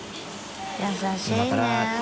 優しいね。